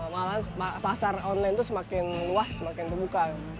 malah pasar online itu semakin luas semakin terbuka